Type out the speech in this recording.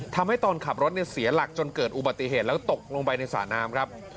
ทำให้ตอนขับรถเสียหลักจนเกิดอุบัติเหตุแล้วตกลงไปในสระน้ำครับ